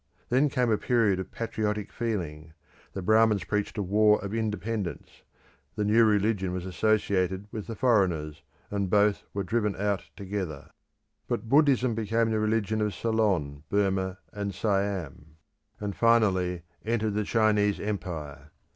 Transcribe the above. Then came a period of patriotic feeling; the Brahmins preached a war of independence; the new religion was associated with the foreigners, and both were driven out together. But Buddhism became the religion of Ceylon, Burmah, and Siam, and finally entered the Chinese Empire.